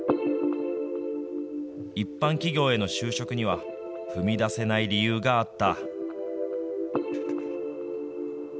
一般企業への就職には踏み出せない理由があった。